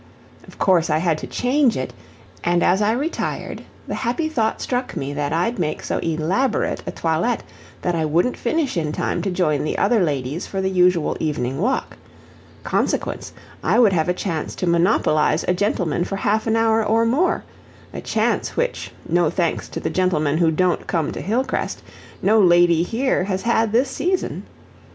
Of course I had to change it, and as I retired the happy thought struck me that I'd make so elaborate a toilet that I wouldn't finish in time to join the other ladies for the usual evening walk; consequence, I would have a chance to monopolize a gentleman for half an hour or more a chance which, no thanks to the gentlemen who don't come to Hillcrest, no lady here has had this season.